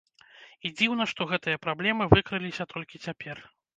І дзіўна, што гэтыя праблемы выкрыліся толькі цяпер.